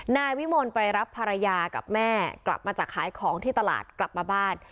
นายวิมลไปรับภรรยากับแม่กลับมาจากขายของที่ตลาดกลับมาบ้าน